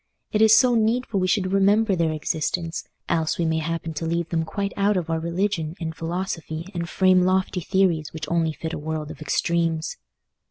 It is so needful we should remember their existence, else we may happen to leave them quite out of our religion and philosophy and frame lofty theories which only fit a world of extremes.